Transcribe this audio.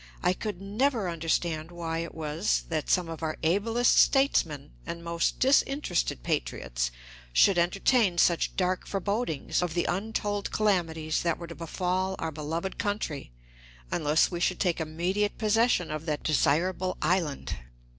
I could never understand why it was that some of our ablest statesmen and most disinterested patriots should entertain such dark forebodings of the untold calamities that were to befall our beloved country unless we should take immediate possession of that desirable island.